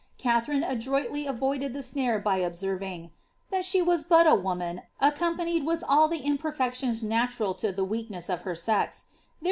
Katharine adroitly avoided the snare bj observing, ^^ that she was but a woman, accompanied with all the iaperfections natural to the weakness of her sex ; therefore, in all mat ■I